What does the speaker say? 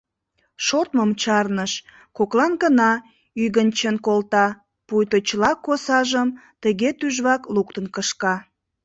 Шортмым чарныш, коклан гына ӱгынчын колта, пуйто чыла косажым тыге тӱжвак луктын кышка.